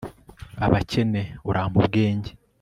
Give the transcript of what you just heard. abakene, urampe ubwenge